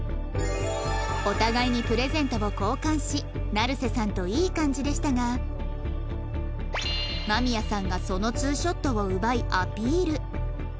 お互いにプレゼントを交換し成瀬さんといい感じでしたが間宮さんがそのツーショットを奪いアピール